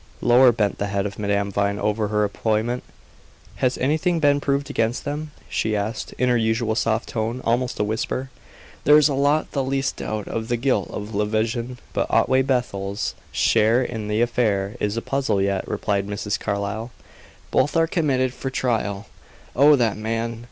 Lower bent the head of Madame Vine over her employment. "Has anything been proved against them?" she asked, in her usual soft tone, almost a whisper. "There is not the least doubt of the guilt of Levison, but Otway Bethel's share in the affair is a puzzle yet," replied Mrs. Carlyle. "Both are committed for trial. Oh, that man!